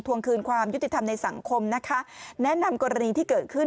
วงคืนความยุติธรรมในสังคมนะคะแนะนำกรณีที่เกิดขึ้น